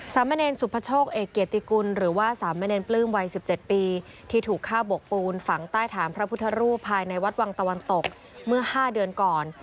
สามเณรสุพโชคเอกเกียรติกุลหรือว่าสามเณรปลื้มวัย๑๗ปีที่ถูกฆ่าบกปูนฝังใต้ฐานพระพุทธรูปภายในวัดวังตะวันตกเมื่อ๕เดือนก่อน